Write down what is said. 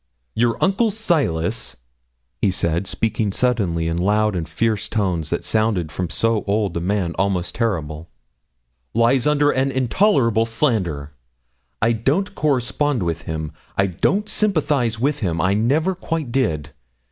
'Your uncle Silas,' he said, speaking suddenly in loud and fierce tones that sounded from so old a man almost terrible, 'lies under an intolerable slander. I don't correspond with him; I don't sympathise with him; I never quite did.